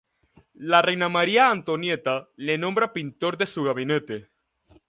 La reina María Antonieta le nombra pintor de su gabinete.